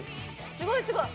すごいすごい！